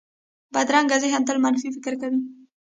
بدرنګه ذهن تل منفي فکر کوي